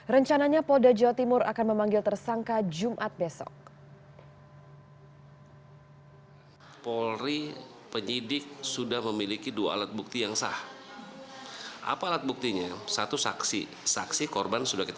rencananya polda jawa timur akan memanggil tersangka jumat besok